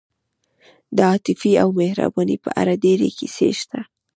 د عاطفې او مهربانۍ په اړه ډېرې کیسې شته.